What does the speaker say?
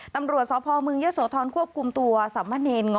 ตำรวจสภเมืองเยอะโสธรณ์ควบคุมตัวสามเมินเอนง๊อ